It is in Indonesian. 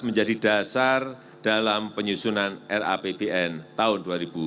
menjadi dasar dalam penyusunan rapbn tahun dua ribu dua puluh